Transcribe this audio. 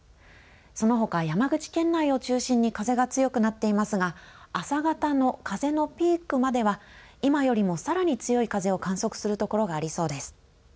そのほか山口県内を中心に風が強くなっていますが朝方の風のピークまでは今よりもさらに強い風を観測するところがありそうです。